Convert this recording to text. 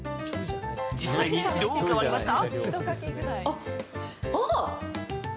実際にどう変わりました？